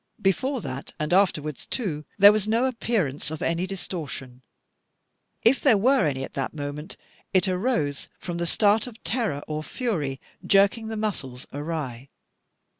Before that, and afterwards too, there was no appearance of any distortion: if there were any at that moment, it arose from the start of terror or fury jerking the muscles awry.